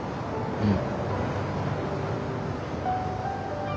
うん。